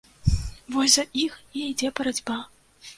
Вось за іх і ідзе барацьба.